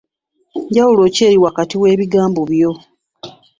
Njawulo ki eri wakati w'ebigambo byo?